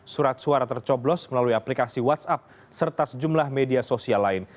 surat suara tercoblos melalui aplikasi whatsapp serta sejumlah media sosial lain